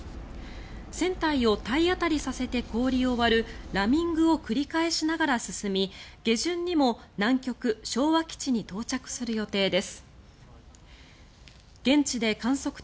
船体を体当たりさせて氷を割るラミングを繰り返しながら進み下旬にも南極・昭和基地に到着する予定です。